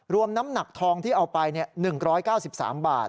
น้ำหนักทองที่เอาไป๑๙๓บาท